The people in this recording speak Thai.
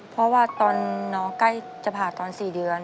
เพราะว่าตอนน้องใกล้จะผ่าตอน๔เดือน